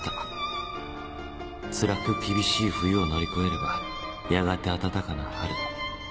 つらく厳しい冬を乗り越えればやがてあたたかな春。